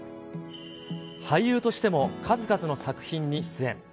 俳優としても、数々の作品に出演。